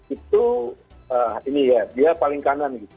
itu ini ya dia paling kanan gitu